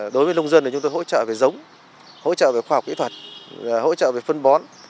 đối với nông dân thì chúng tôi hỗ trợ về giống hỗ trợ về khoa học kỹ thuật hỗ trợ về phân bón